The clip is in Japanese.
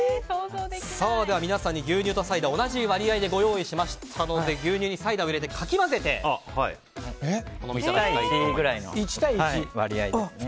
では皆さんに牛乳とサイダー同じ割合でご用意しましたので牛乳にサイダーを入れてかき混ぜて１対１の割合ですね。